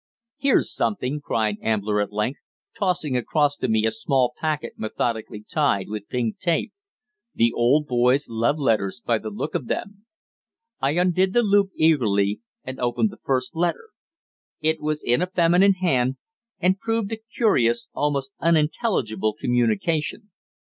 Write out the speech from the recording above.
"Here's something!" cried Ambler at length, tossing across to me a small packet methodically tied with pink tape. "The old boy's love letters by the look of them." I undid the loop eagerly, and opened the first letter. It was in a feminine hand, and proved a curious, almost unintelligible communication.